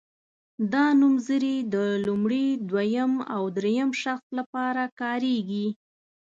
دا نومځري د لومړي دویم او دریم شخص لپاره کاریږي.